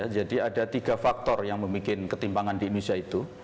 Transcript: jadi ada tiga faktor yang membuat ketimpangan di indonesia itu